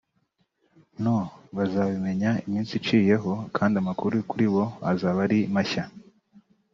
No bazabimenya iminsi iciyeho kandi amakuru kuri bo azaba ari mashya